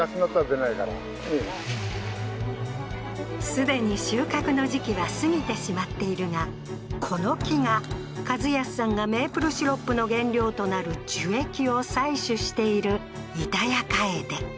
既に収穫の時期は過ぎてしまっているが、この木が一康さんがメープルシロップの原料となる樹液を採取している「イタヤカエデ」。